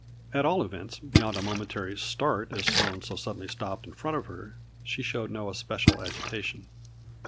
At all events, beyond a momentary start as Sloane so suddenly stopped in front of her, she showed no especial agitation.